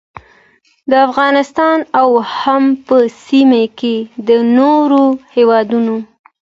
د افغانستان او هم په سیمه کې د نورو هیوادونو